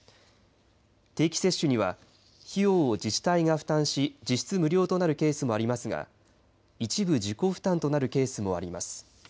定期接種には費用を自治体が負担し実質無料となるケースもありますが一部、自己負担となるケースもあります。